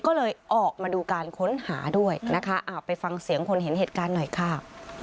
ก็เลยออกมาดูการค้นหาด้วยนะคะไปฟังเสียงคนเห็นเหตุการณ์หน่อยค่ะ